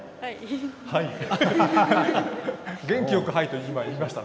元気よく「はい」と言いましたね。